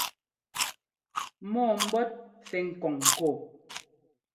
Mɔ́ɔ mbɔ́t sɛ́ ŋ́kɔ́ŋ ŋkɔɔ.